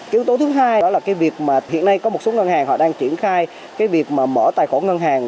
yếu tố thứ hai đó là cái việc mà hiện nay có một số ngân hàng họ đang triển khai cái việc mà mở tài khoản ngân hàng